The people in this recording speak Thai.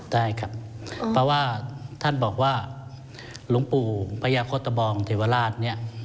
ได้ครับเพราะว่าท่านบอกว่าหลวงปู่พญาโคตบองเทวราชเนี่ย